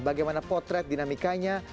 bagaimana potret dinamikanya